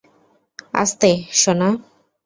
আস্তে, সোনা।